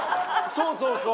そうそうそう。